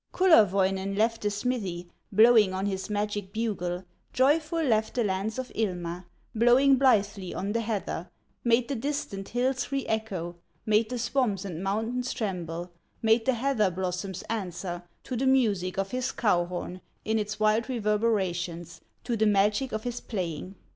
Kullerwoinen left the smithy, Blowing on his magic bugle, Joyful left the lands of Ilma, Blowing blithely on the heather, Made the distant hills re echo, Made the swamps and mountains tremble, Made the heather blossoms answer To the music of his cow horn, In its wild reverberations, To the magic of his playing.